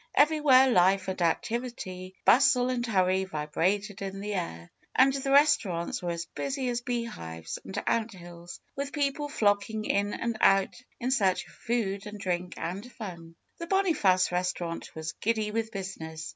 Everywhere life and activity, bustle and hurry, vibrated in the air. And the restaurants were as busy as bee hives and ant hills, with people flocking in and out in search of food and drink and fun. The Boniface restaurant was giddy with business.